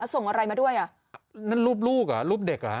ส่งอะไรมาด้วยอ่ะนั่นรูปลูกอ่ะรูปเด็กอ่ะ